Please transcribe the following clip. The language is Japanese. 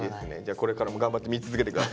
これからも頑張って見続けてください。